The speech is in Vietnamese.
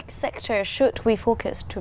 điều đó sẽ làm sự khác nhau